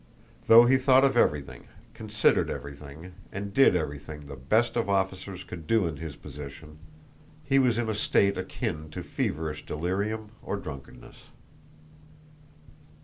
Though he thought of everything, considered everything, and did everything the best of officers could do in his position, he was in a state akin to feverish delirium or drunkenness.